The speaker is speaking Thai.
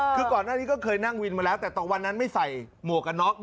คือก่อนหน้านี้ก็เคยนั่งวินมาแล้วแต่วันนั้นไม่ใส่หมวกกันน็อก